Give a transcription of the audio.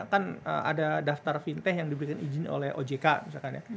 kan ada daftar fintech yang diberikan izin oleh ojk misalkan ya